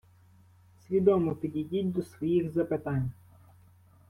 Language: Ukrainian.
Свідомо підійдіть до своїх запитань.